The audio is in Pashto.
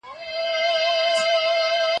د عرب خبره زړه ته سوله تېره